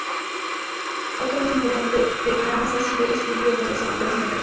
Otro uso importante de D-branas ha sido el estudio de los agujeros negros.